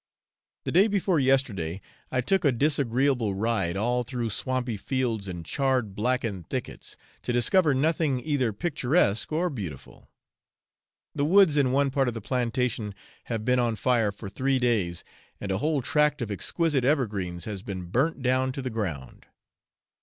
The day before yesterday I took a disagreeable ride, all through swampy fields and charred blackened thickets, to discover nothing either picturesque or beautiful; the woods in one part of the plantation have been on fire for three days, and a whole tract of exquisite evergreens has been burnt down to the ground.